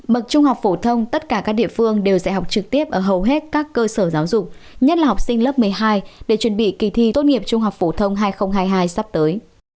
bậc trung học phổ thông tất cả các địa phương đều dạy học trực tiếp ở hầu hết các cơ sở giáo dục nhất là học sinh lớp một mươi hai để chuẩn bị kỳ thi tốt nghiệp trung học phổ thông hai nghìn hai mươi hai sắp tới